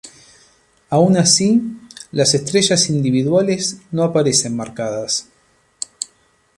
Aun así, las estrellas individuales no aparecen marcadas.